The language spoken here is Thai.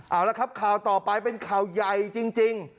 เอาละครับข่าวต่อไปเป็นข่าวใหญ่จริง